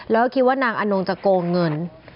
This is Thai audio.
แล้วคิดว่านางอนงจะโกงเงิน